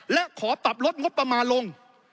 และขอปรับลดงบประมาณลง